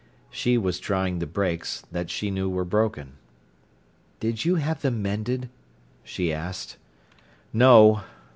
She was trying the brakes, that she knew were broken. "Did you have them mended?" she asked. "No!"